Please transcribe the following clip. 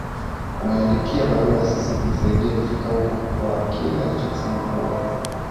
ameiandikia barua icc kumsaidia kufika huko kwa kile alichokisema kuwa